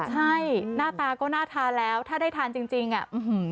ใช่หน้าตาก็น่าทานแล้วถ้าได้ทานจริงจริงอ่ะ